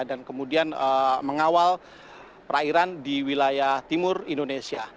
dan kemudian mengawal perairan di wilayah timur indonesia